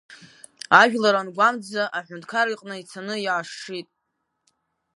Ажәлар ангәамҵӡа, аҳәынҭқар иҟны ицаны иашшит…